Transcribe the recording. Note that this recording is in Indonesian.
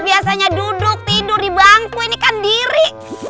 biasanya duduk tidur di bangku ini kan diri